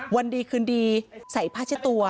วันดีคืนดีใส่ผ้าเช็ดตัว